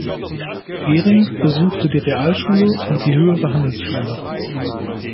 Gehring besuchte die Realschule und die höhere Handelsschule.